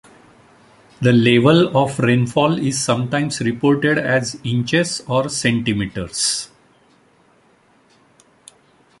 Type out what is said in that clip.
The level of rainfall is sometimes reported as inches or centimetres.